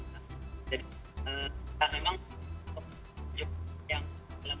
saya sendiri kan beberapa kali berantip pasangan